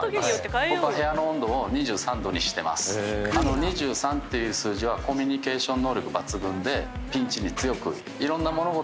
２３っていう数字はコミュニケーション能力抜群でピンチに強く。